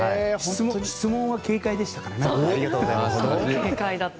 質問は軽快でしたけどね。